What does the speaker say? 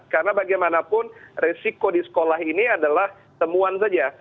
karena bagaimanapun resiko di sekolah ini adalah temuan saja